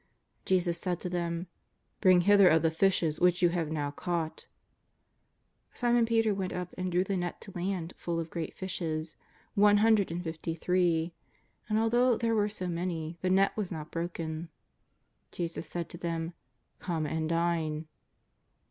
Jesus said to them :" Bring hither of the fishes which you have now caught/' Simon Peter went up and drew the net to land full of gi'eat fishes, one hundred and fifty three; and, although there were so many, the net was not broken, Jesus said to them :^' Come and dine."